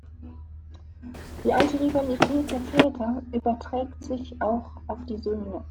Die alte Rivalität der Väter überträgt sich auch auf die Söhne.